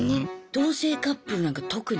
同棲カップルなんか特に。